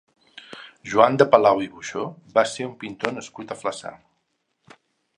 Joan de Palau i Buxó va ser un pintor nascut a Flaçà.